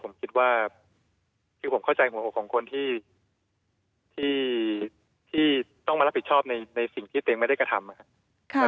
ผมคิดว่าคือผมเข้าใจหัวของคนที่ที่ที่ต้องมารับผิดชอบในในสิ่งที่แต่งไม่ได้กระทำอ่ะ